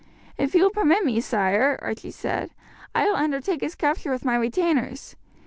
"If you will permit me, sire," Archie said, "I will undertake its capture with my retainers.